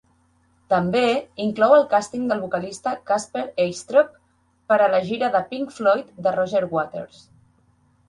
També inclou el càsting del vocalista Kasper Eistrup per a la gira de Pink Floyd de Roger Waters.